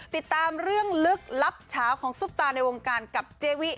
ติดตามเรื่องลึกลับเช้าของซุปตาในวงการกับเจวิ